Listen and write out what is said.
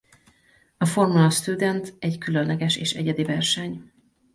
A Formula Student egy különleges és egyedi verseny.